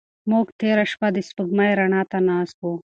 موږ تېره شپه د سپوږمۍ رڼا ته ناست وو.